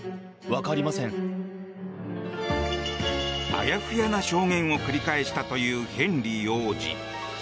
あやふやな証言を繰り返したというヘンリー王子。